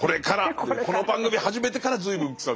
この番組始めてから随分楔は。